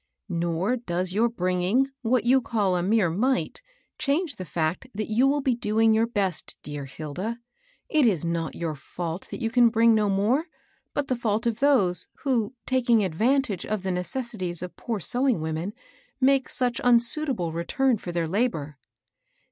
" Nor does your bringing what you call a mere mite change the &ct that you will be doing your best, dear Hilda. It is not your fault that you can bring no more, but the &ult of those, who, taking advantage of the necessities of poor sewing women, make such unsuitable return for their labor."